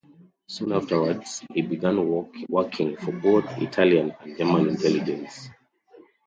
Soon afterwards he began working for both Italian and German intelligence.